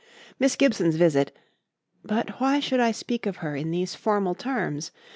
Miss Gibson's visit but why should I speak of her in these formal terms?